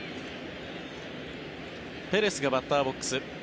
ペレスがバッターボックス。